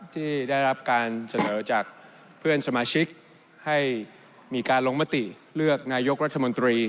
ที่ได้รับการเสนอจากเพื่อนสมาชิกให้มีการลงมติเลือกนายกรัฐมนตรี